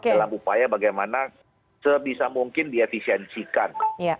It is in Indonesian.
dalam upaya bagaimana sebisa mungkin diefisiensikan